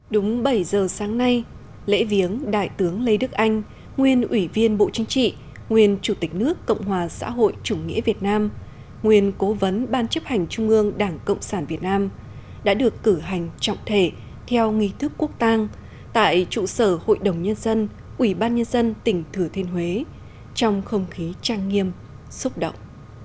đúng bảy giờ sáng nay lễ viếng đại tướng lê đức anh nguyên ủy viên bộ chính trị nguyên chủ tịch nước cộng hòa xã hội chủ nghĩa việt nam nguyên cố vấn ban chấp hành trung ương đảng cộng sản việt nam đã được cử hành trọng thể theo nghi thức quốc tàng tại trụ sở hội đồng nhân dân ủy ban nhân dân tỉnh thừa thiên huế trong không khí trang nghiêm xúc động